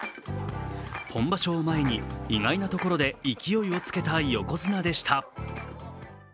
本場所を前に、意外なところで勢いをつけた横綱でした。